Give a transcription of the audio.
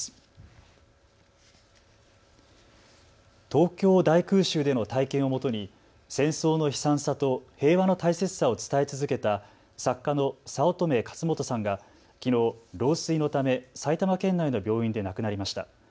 東京大空襲での体験をもとに戦争の悲惨さと平和の大切さを伝え続けた作家の早乙女勝元さんがきのう老衰のため埼玉県内の病院で亡くなりました。